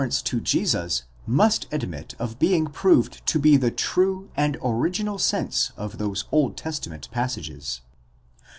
565 'ence to Jesus must admit of being proved to be the true and original sense of those Old Testament passages.